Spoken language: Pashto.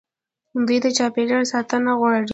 دوی د چاپیریال ساتنه غواړي.